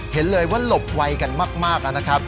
เห็นเลยว่าหลบไวกันมากนะครับ